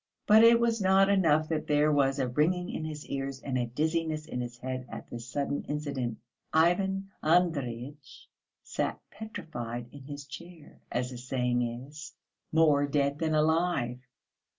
But it was not enough that there was a ringing in his ears and a dizziness in his head at this sudden incident. Ivan Andreyitch sat petrified in his chair, as the saying is, more dead than alive.